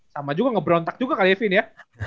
sama juga ngebrontak juga kali ya vin ya